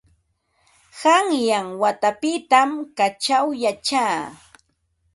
Qanyan watapitam kaćhaw yachaa.